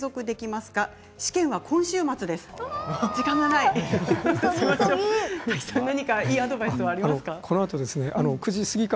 いいアドバイスはありますか。